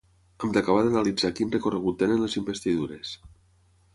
Hem d’acabar d’analitzar quin recorregut tenen les investidures.